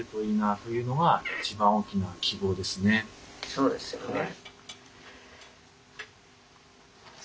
そうですよね。